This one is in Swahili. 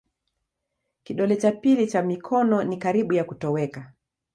Kidole cha pili cha mikono ni karibu ya kutoweka.